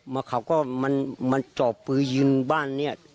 มาเขาก็มันจอบปืนยิงขึ้นบ้านที่เนี่ยลาเวทนี่ละ